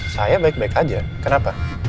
saya baik baik aja kenapa